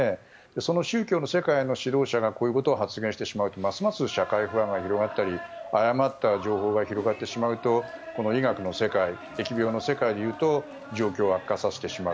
その宗教の世界の指導者がこういう発言をしてしまうとますます社会不安が広がったり誤った情報が広がってしまうと医学の世界、疫病の世界でいうと状況を悪化させてしまう。